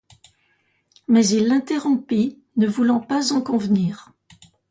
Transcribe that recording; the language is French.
Mais il l'interrompit, ne voulant pas en convenir.